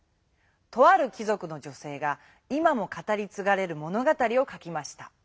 とあるきぞくの女せいが今も語りつがれる物語を書きました。